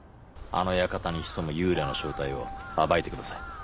あの館に潜む幽霊の正体を暴いてください。